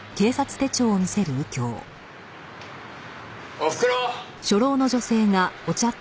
おふくろ！